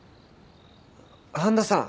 半田さん。